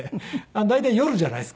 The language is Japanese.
大体夜じゃないですか。